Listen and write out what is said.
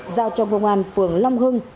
giao cho công an phương long hưng